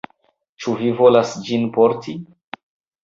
Ĉu vi volas ĝin porti?